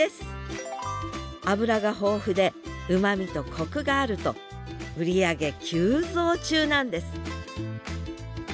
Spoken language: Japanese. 脂が豊富でうまみとコクがあると売り上げ急増中なんです